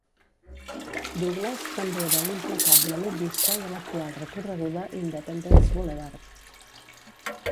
Douglas també era l'implacable lobbista de l'actual recorreguda Independence Boulevard.